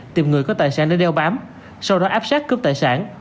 tìm người có tài sản để đeo bám sau đó áp sát cướp tài sản